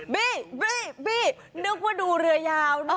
บิ๊บิบินึกว่าดูเรื้อยาว